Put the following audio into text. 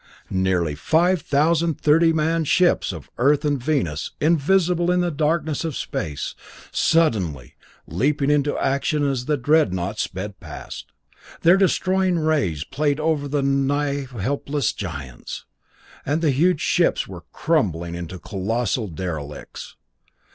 Nearly five thousand thirty man ships of Earth and Venus, invisible in the darkness of space, suddenly leaped into action as the dreadnoughts sped past. Their destroying rays played over the nigh helpless giants, and the huge ships were crumbling into colossal derelicts.